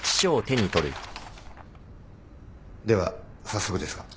では早速ですが。